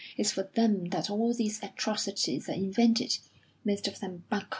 It's for them that all these atrocities are invented most of them bunkum.